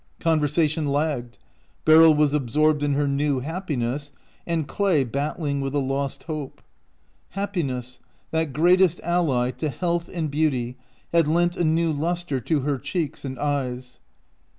Conversation lagged. Beryl was absorbed in her new happiness, and Clay battling with a lost hope. Happiness, that greatest ally to health and beauty, had lent a new luster to her cheeks 227 OUT OF BOHEMIA and eyes.